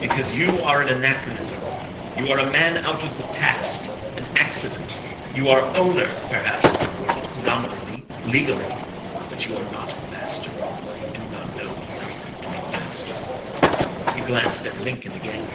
"Because you are an anachronism. You are a man out of the Past an accident. You are Owner perhaps of the world. Nominally legally. But you are not Master. You do not know enough to be Master." He glanced at Lincoln again.